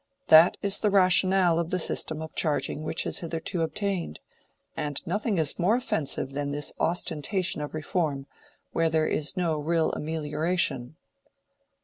That is the rationale of the system of charging which has hitherto obtained; and nothing is more offensive than this ostentation of reform, where there is no real amelioration."